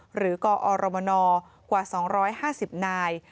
หรือกอรมนกว่า๒๕๐นาย